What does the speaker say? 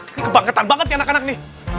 ini kebangetan banget ya anak anak nih